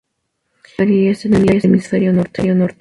La mayoría están en el hemisferio norte.